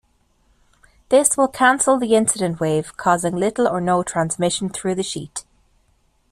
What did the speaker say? This will cancel the incident wave causing little or no transmission through the sheet.